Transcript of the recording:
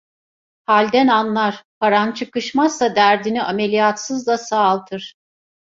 Halden anlar, paran çıkışmazsa derdini ameliyatsız da sağaltır.